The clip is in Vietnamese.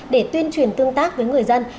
để tuyên truyền tương tác với người dân